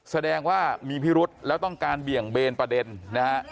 แสดงว่ามีพิรุษแล้วต้องการเบี่ยงเบนประเด็นนะฮะ